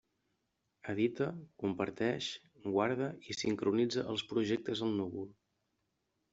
Edita, comparteix, guarda i sincronitza els projectes al núvol.